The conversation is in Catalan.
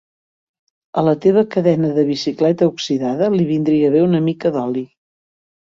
A la teva cadena de bicicleta oxidada li vindria bé una mica d'oli.